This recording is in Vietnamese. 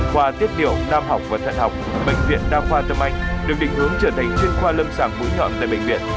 khoa tiết điệu nam học và thận học bệnh viện nam khoa tâm anh được định hướng trở thành chuyên khoa lâm sảng mũi nhọn tại bệnh viện